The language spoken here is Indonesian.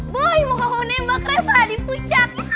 boy mau kamu nembak reva di puncak